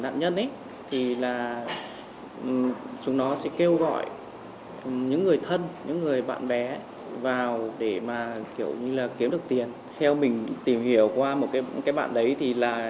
các thứ đều là sử dụng các kịch ảnh của mình